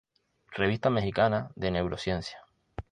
Revista Mexicana de Neurociencia.